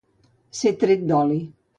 Ser tret d'oli.